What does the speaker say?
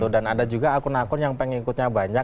dan ada juga akun akun yang pengen ikutnya banyak